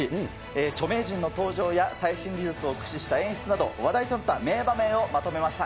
著名人の登場や最新技術を駆使した演出など、話題となった名場面をまとめました。